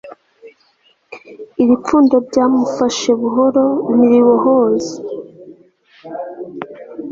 Iri pfundo ryamufashe buhoro ntiribohoza